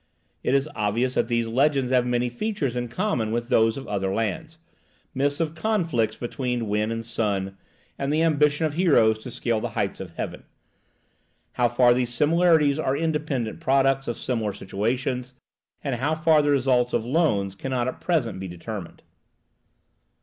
It is obvious that these legends have many features in common with those of other lands, myths of conflict between wind and sun, and the ambition of heroes to scale the heights of heaven. How far these similarities are the independent products of similar situations, and how far the results of loans, cannot at present be determined.